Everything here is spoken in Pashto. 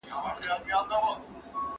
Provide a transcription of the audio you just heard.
هغه د ټولني په اړه مهم کتابونه لیکلي دي.